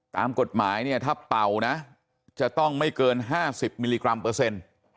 ตามกฎหมายเนี่ยถ้าเป่านะจะต้องไม่เกิน๕๐มิลลิกรัมเปอร์เซ็นต์